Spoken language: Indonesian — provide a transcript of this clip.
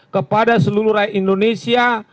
kepada seluruh rakyat indonesia